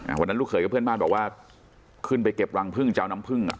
วันนั้นลูกเขยกับเพื่อนบ้านบอกว่าขึ้นไปเก็บรังพึ่งจะเอาน้ำพึ่งอ่ะ